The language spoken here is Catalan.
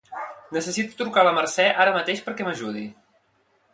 Necessito trucar a la Mercè ara mateix perquè m'ajudi.